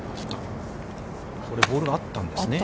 これ、ボールがあったんですね。